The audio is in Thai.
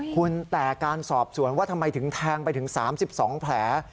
คุณแต่การสอบสวนว่าทำไมถึงแทงไปถึง๓๒แผล